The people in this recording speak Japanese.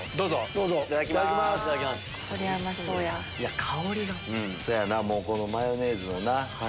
そやなこのマヨネーズのな。